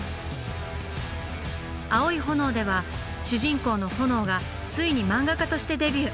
「アオイホノオ」では主人公のホノオがついに漫画家としてデビュー。